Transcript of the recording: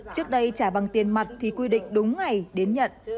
trước đây trả bằng tiền mặt thì quy định đúng ngày đến nhận